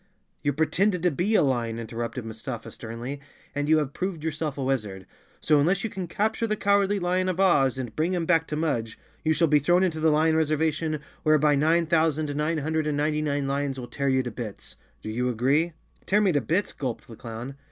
"You pretended to be a lion," interrupted Mustafa sternly, "and you have proved yourself a wizard. So unless you can capture the Cowardly Lion of Oz and bring him back to Mudge, you shall be thrown into the lion reservation, whereby nine thousand nine hundred and ninety nine lions will tear you to bits. Do you agree?" "Tear me to bits!" gulped the clown.